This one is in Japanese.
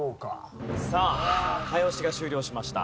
さあ早押しが終了しました。